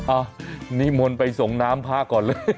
อ่ะนี่มนต์ไปสงน้ำผ้าก่อนเลย